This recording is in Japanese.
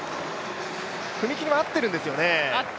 踏み切りも合っているんですよね？